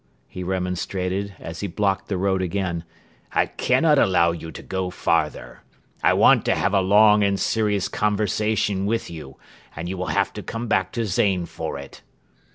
he remonstrated, as he blocked the road again. "I cannot allow you to go farther. I want to have a long and serious conversation with you and you will have to come back to Zain for it."